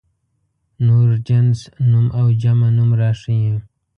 نور جنس نوم او جمع نوم راښيي.